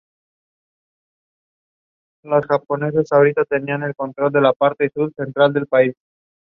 El contenido disponible exacto varía según la región.